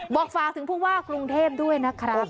ฝากถึงผู้ว่ากรุงเทพด้วยนะครับ